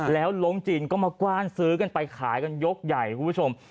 แล้วลงจีนก็มากว้านซื้อกันไปขายกันยกใหญ่คุณผู้ชม